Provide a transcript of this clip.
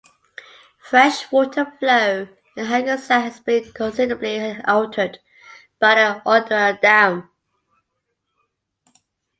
Freshwater flow in the Hackensack has been considerably altered by the Oradell Dam.